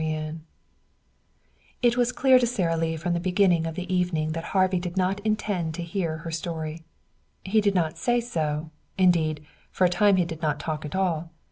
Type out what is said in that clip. XXV It was clear to Sara Lee from the beginning of the evening that Harvey did not intend to hear her story. He did not say so; indeed, for a time he did not talk at all.